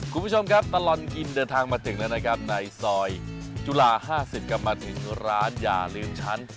คุณผู้ชมครับตลอดกินเดินทางมาถึงแล้วนะครับในซอยจุฬา๕๐กลับมาถึงร้านอย่าลืมฉัน